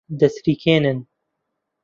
دەچریکێنن